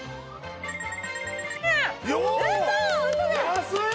安い！